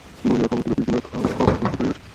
বলিয়া খবর দিল, পিসিমা, খাবার প্রস্তুত হইয়াছে।